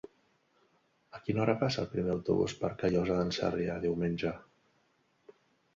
A quina hora passa el primer autobús per Callosa d'en Sarrià diumenge?